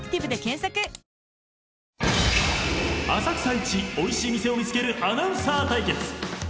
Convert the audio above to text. ［浅草いちおいしい店を見つけるアナウンサー対決］